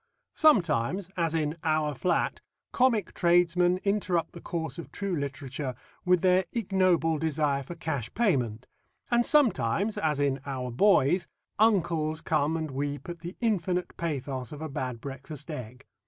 Sometimes, as in Our Flat, comic tradesmen interrupt the course of true literature with their ignoble desire for cash payment, and sometimes, as in Our Boys, uncles come and weep at the infinite pathos of a bad breakfast egg.